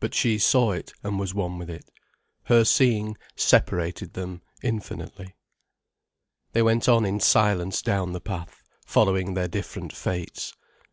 But she saw it, and was one with it. Her seeing separated them infinitely. They went on in silence down the path, following their different fates.